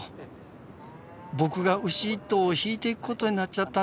僕が牛１頭を引いて行くことになっちゃったんです。